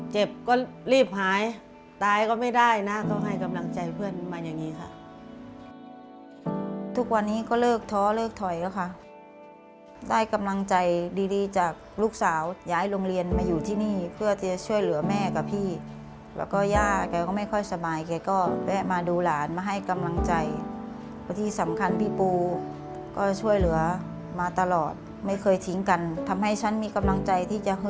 เจ็บก็รีบหายตายก็ไม่ได้นะก็ให้กำลังใจเพื่อนมาอย่างนี้ค่ะทุกวันนี้ก็เลิกท้อเลิกถอยแล้วค่ะได้กำลังใจดีดีจากลูกสาวย้ายโรงเรียนมาอยู่ที่นี่เพื่อจะช่วยเหลือแม่กับพี่แล้วก็ย่าแกก็ไม่ค่อยสบายแกก็แวะมาดูหลานมาให้กำลังใจเพราะที่สำคัญพี่ปูก็ช่วยเหลือมาตลอดไม่เคยทิ้งกันทำให้ฉันมีกำลังใจที่จะห